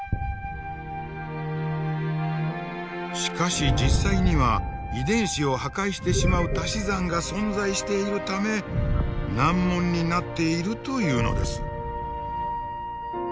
しかし実際には遺伝子を破壊してしまうたし算が存在しているため難問になっているというのです。